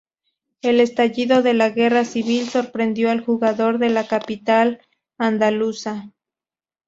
El estallido de la Guerra Civil sorprendió al jugador en la capital andaluza.